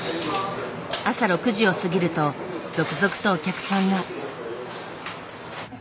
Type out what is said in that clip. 朝６時を過ぎると続々とお客さんが。